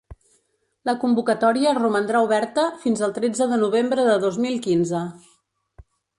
La convocatòria romandrà oberta fins al tretze de novembre de dos mil quinze.